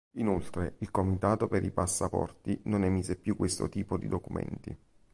Inoltre, il comitato per i passaporti non emise più questo tipo di documenti.